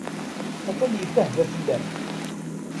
Attan tebbehba fell-am.